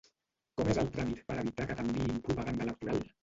Com és el tràmit per evitar que t'enviïn propaganda electoral?